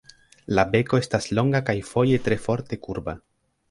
La beko estas longa kaj foje tre forte kurba.